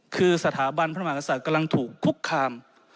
คือสถาบันพระมหากษัตริย์กำลังถูกคุกคาม